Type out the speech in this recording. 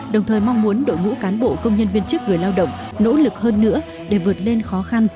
đồng thời mong muốn đội ngũ cán bộ công nhân viên chức người lao động nỗ lực hơn nữa để vượt lên khó khăn